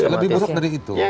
lebih buruk dari itu